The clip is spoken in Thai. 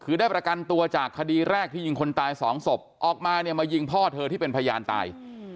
คือได้ประกันตัวจากคดีแรกที่ยิงคนตายสองศพออกมาเนี่ยมายิงพ่อเธอที่เป็นพยานตาย